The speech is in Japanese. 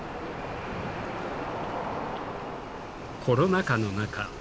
コロナ禍の中